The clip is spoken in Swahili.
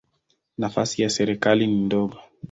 Nafasi ya serikali ni ndogo.